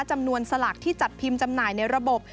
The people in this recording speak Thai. สลากที่จัดพิมพ์จำหน่ายในระบบ